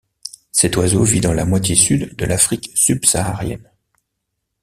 Cet oiseau vit dans la moitié sud de l'Afrique subsaharienne.